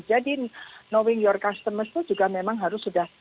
jadi knowing your customers itu juga memang harus sudah